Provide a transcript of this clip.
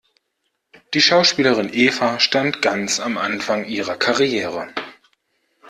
Die Schauspielerin Eva stand ganz am Anfang ihrer Karriere.